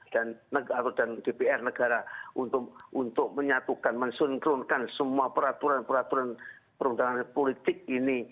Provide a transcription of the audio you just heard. dan dpr negara untuk menyatukan mensunkronkan semua peraturan peraturan perundangan politik ini